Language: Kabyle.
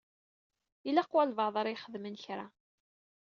Ilaq walebɛaḍ ara ixedmen kra.